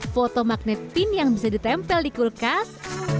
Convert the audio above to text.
foto magnet pin yang bisa ditempel di kulkas